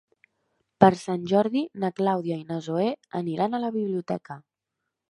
Per Sant Jordi na Clàudia i na Zoè aniran a la biblioteca.